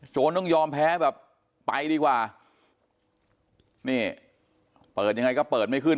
ต้องยอมแพ้แบบไปดีกว่านี่เปิดยังไงก็เปิดไม่ขึ้น